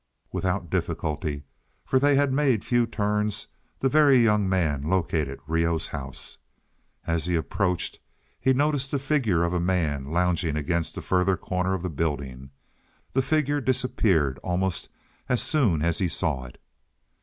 Without difficulty, for they had made few turns, the Very Young Man located Reoh's house. As he approached he noticed the figure of a man lounging against a further corner of the building; the figure disappeared almost as soon as he saw it.